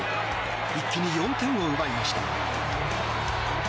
一気に４点を奪いました。